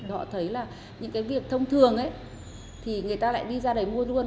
họ thấy là những cái việc thông thường ấy thì người ta lại đi ra đầy mua luôn